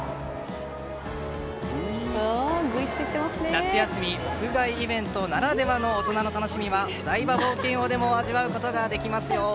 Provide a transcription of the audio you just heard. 夏休み屋外イベントならではの大人の楽しみはお台場冒険王でも味わうことができますよ。